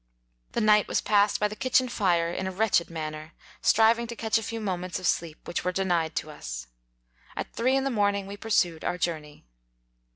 The night was passed by the kitchen fire in a wretched man ner, striving to catch a few moments of sleep, which were denied to us. At three in the morning we pursued our journey.